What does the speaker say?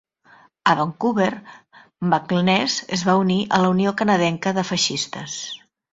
A Vancouver, MacInnes es va unir a la Unió Canadenca de Feixistes.